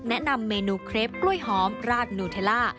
แนะนำเมนูเครปกล้วยหอมราดนูเทลล่า